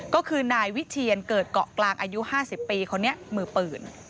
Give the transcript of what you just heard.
ก็คือนายวิเชียนเกิดเกาะกลางอายุ๕๐ปีคนนี้มือปืน